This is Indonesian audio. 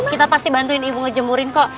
kita pasti bantuin ibu ngejemurin kok